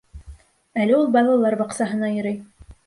Әле ул балалар баҡсаһына йөрөй.